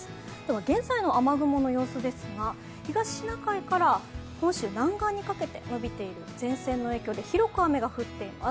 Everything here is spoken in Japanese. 現在の雨雲の様子ですが東シナ海から本州南岸にかけて伸びている前線の影響で広く雨が降っています。